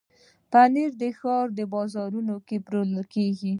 پنېر د ښار بازارونو کې پلورل کېږي.